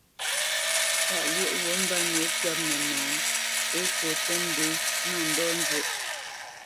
Tâʼ lyéʼ wút mbə́ nǒ twɛ̂p nənɔ Ekô tə́ ndě mándɔ njwóʼ.